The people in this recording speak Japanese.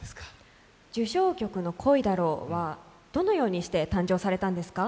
受賞曲の「恋だろ」はどのようにして誕生されたんですか？